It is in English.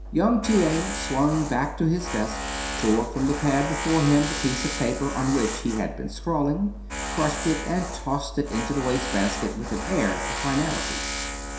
Young T. A. swung back to his desk, tore from the pad before him the piece of paper on which he had been scrawling, crushed it, and tossed it into the wastebasket with an air of finality.